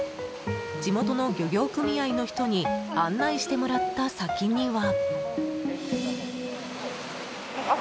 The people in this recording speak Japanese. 地元の漁業組合の人に案内してもらった先には。